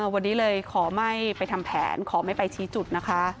วันนี้เลยขอไม่ไปทำแผนขอไม่ไปชี้จุดนะคะ